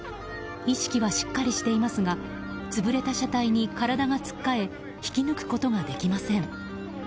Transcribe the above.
意識はしっかりしていますが潰れた車体に体がつっかえ引き抜くことができません。